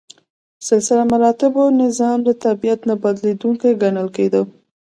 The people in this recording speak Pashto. سلسله مراتبو نظام د طبیعت نه بدلیدونکی ګڼل کېده.